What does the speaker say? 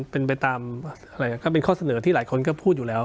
เป็นไปตามก็เป็นข้อเสนอที่หลายคนก็พูดอยู่แล้ว